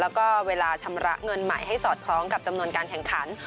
แล้วก็เวลาชำระเงินใหม่ให้สอดคล้องกับจำนวนการแข่งขัน